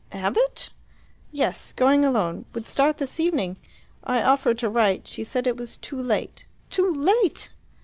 "Abbott?" "Yes. Going alone; would start this evening. I offered to write; she said it was 'too late!' Too late!